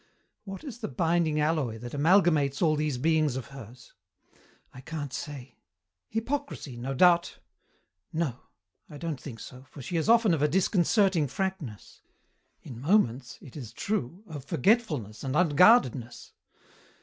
"What is the binding alloy that amalgamates all these beings of hers? I can't say. Hypocrisy, no doubt. No. I don't think so, for she is often of a disconcerting frankness in moments, it is true, of forgetfulness and unguardedness.